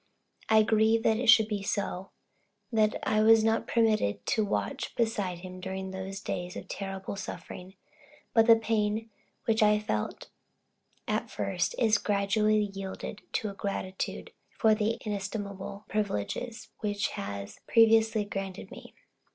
I grieve that it should be so that I was not permitted to watch beside him during those days of terrible suffering; but the pain, which I at first felt, is gradually yielding to gratitude for the inestimable privileges which had previously been granted me.